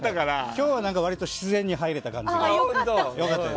今日は割と自然に入れた感じが。